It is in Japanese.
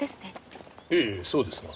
ええそうですが。